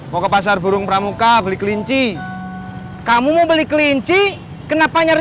mau ke pasar burung pramuka beli kelinci kamu mau beli kelinci kenapa nyari